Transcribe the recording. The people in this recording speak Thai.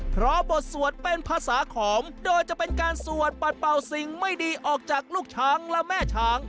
เพราะบทสวดเป็นภาษาขอมโดยจะเป็นการสวดปัดเป่าสิ่งไม่ดีออกจากลูกช้างและแม่ช้าง